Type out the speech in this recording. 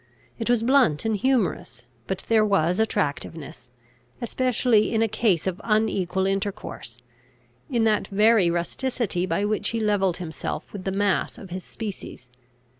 It was blunt and humorous; but there was attractiveness, especially in a case of unequal intercourse, in that very rusticity by which he levelled himself with the mass of his species.